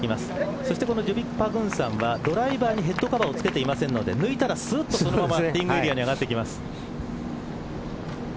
そしてジュビック・パグンサンはドライバーにヘッドカバーを付けていませんので抜いたらそのままティーイングエリアに上がっていきます。